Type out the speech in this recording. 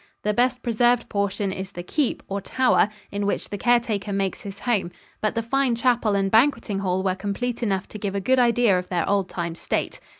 The best preserved portion is the keep, or tower, in which the caretaker makes his home; but the fine chapel and banqueting hall were complete enough to give a good idea of their old time state.